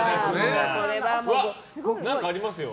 何かありますよ。